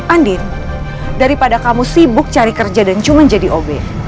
andin daripada kamu sibuk cari kerja dan cuma jadi obe